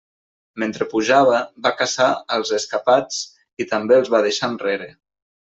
Mentre pujava va caçar als escapats i també els va deixar enrere.